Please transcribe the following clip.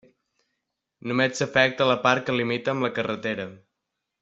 Només s'afecta la part que limita amb la carretera.